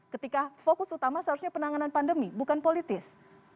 ketika fokus utama seharusnya penanganan pandemi bukan politis